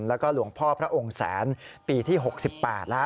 แล้วก็หลวงพ่อพระองค์แสนปีที่๖๘แล้ว